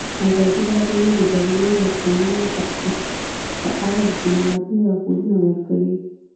ازادي راډیو د د جګړې راپورونه په اړه د سیمینارونو راپورونه ورکړي.